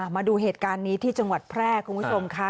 มาดูเหตุการณ์นี้ที่จังหวัดแพร่คุณผู้ชมค่ะ